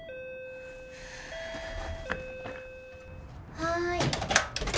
・はい。